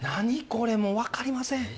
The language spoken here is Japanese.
これもう分かりません